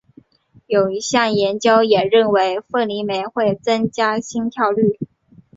有一项研究也认为凤梨酶会增加心跳率。